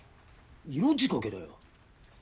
色仕掛けだよ。